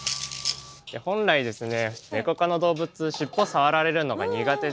本来ですねネコ科の動物しっぽ触られるのが苦手です。